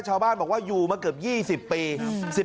ชาวบ้านบอกว่าอยู่มาเกือบ๒๐ปี